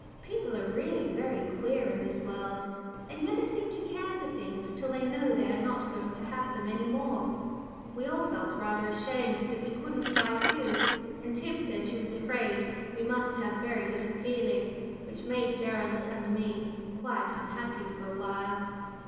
People are really very queer in this world they never seem to care for things till they know they are not going to have them any more. We all felt rather ashamed that we couldn't cry too, and Tib said she was afraid we must have very little feeling, which made Gerald and me quite unhappy for a while.